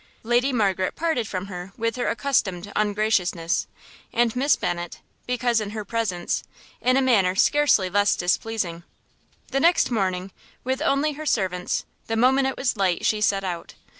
Lady Margaret parted from her with her accustomed ungraciousness, and Miss Bennet, because in her presence, in a manner scarcely less displeasing. The next morning, with only her servants, the moment it was light, she set out.